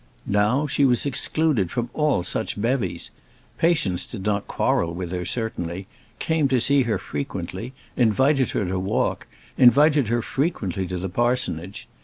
Now she was excluded from all such bevies. Patience did not quarrel with her, certainly; came to see her frequently; invited her to walk; invited her frequently to the parsonage.